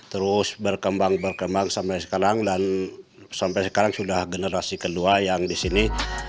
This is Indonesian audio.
terus berkembang berkembang sampai sekarang dan sampai sekarang sudah generasi kedua yang di sini